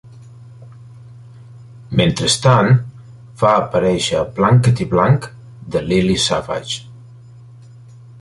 Mentrestant, va aparèixer a "Blankety Blank" de Lily Savage.